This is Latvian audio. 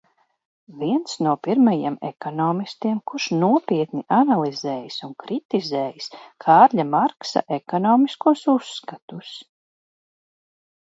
Viens no pirmajiem ekonomistiem, kurš nopietni analizējis un kritizējis Kārļa Marksa ekonomiskos uzskatus.